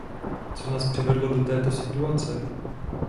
Co nás přivedlo do této situace?